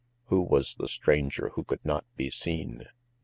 Who was the stranger who could not be seen?